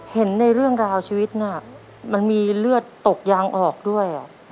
เห็นในเรื่องราวชีวิตน่ะมันมีเลือดตกยางออกด้วย